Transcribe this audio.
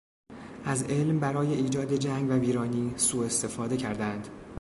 از علم برای ایجاد جنگ و ویرانی سو استفاده کردند.